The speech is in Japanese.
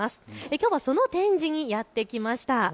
きょうはその展示にやって来ました。